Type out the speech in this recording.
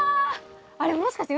あれもしかして海？